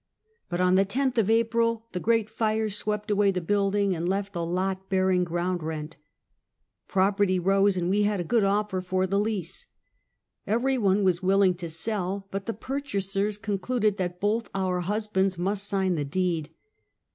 But on the 10th of April, the great fire swept away the building and left a lot bearing ground rent. Prop erty rose and we had a good offer for the lease. Every one was willing to sell, but the purchasers concluded that both our husbands must sign the deed.